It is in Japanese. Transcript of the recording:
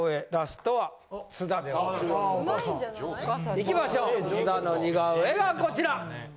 いきましょう津田の似顔絵がこちら。